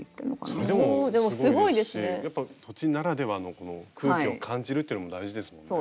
それでもすごいですしやっぱ土地ならではの空気を感じるっていうのも大事ですもんね。